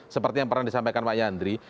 seperti yang pernah disampaikan pak yandri